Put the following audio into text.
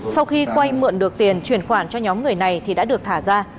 sau khi quay mượn được tiền chuyển khoản cho nhóm người này thì đã được thả ra